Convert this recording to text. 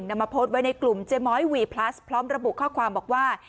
นำมาโพสต์ไว้ในกลุ่มเจ๊ม้อยวีพลัสพร้อมระบุข้อความบอกว่า